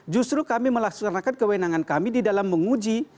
justru kami melaksanakan kewenangan kami di dalam menguji